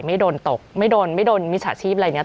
ไม่โดนตกไม่โดนไม่โดนมีสถาชีพอะไรเนี้ย